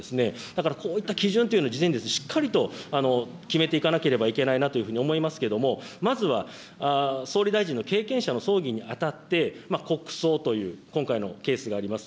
だから、こういった基準というのを事前にしっかりと決めていかなければいけないなというふうに思いますけれども、まずは総理大臣の経験者の葬儀にあたって国葬という、今回のケースがあります。